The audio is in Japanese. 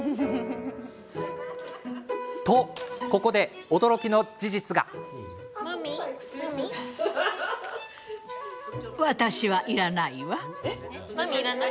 と、ここで驚きの事実が。え、マミーいらない？